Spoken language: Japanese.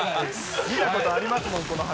見たことありますもん、この箱。